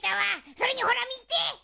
それにほらみて！